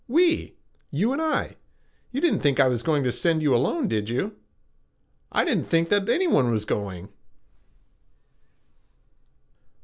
We. You and I. You didn't think I was going to send you alone, did you?" "I didn't know that anyone was going."